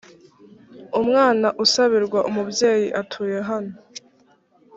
umwana usabirwa umubyeyi atuye hano.